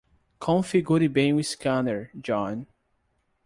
Configure bem o scanner, John.